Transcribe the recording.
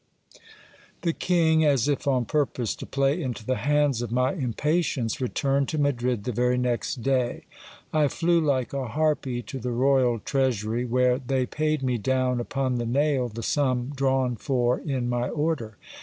The king, as if on purpose to play into the hands of my impatience, returned to Madrid the very next day. I flew like a harpy to the royal treasury, where they paid me down upon the nail the sum drawn for in my order.